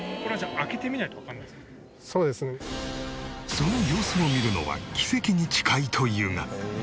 その様子を見るのは奇跡に近いというが。